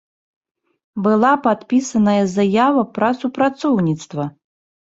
Была падпісаная заява пра супрацоўніцтва.